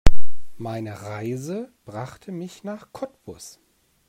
Meine Reise brachte mich nach Cottbus